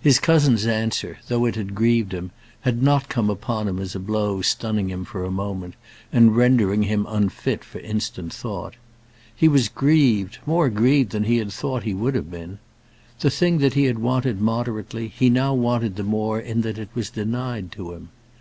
His cousin's answer, though it had grieved him, had not come upon him as a blow stunning him for a moment, and rendering him unfit for instant thought. He was grieved, more grieved than he had thought he would have been. The thing that he had wanted moderately, he now wanted the more in that it was denied to him.